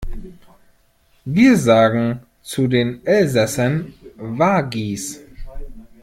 Wir sagen zu den Elsässern Waggis.